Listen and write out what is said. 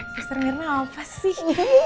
berserah beserah apa sih